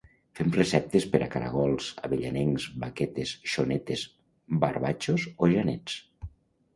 fem receptes per a caragols avellanencs, vaquetes, xonetes, barbatxos o janets